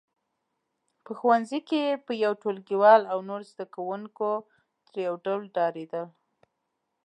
په ښوونځي کې به یې ټولګیوال او نور زده کوونکي ترې یو ډول ډارېدل